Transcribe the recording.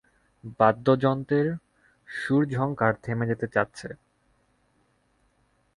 বাদ্যযন্ত্রের সুরঝঙ্কার থেমে যেতে চাচ্ছে।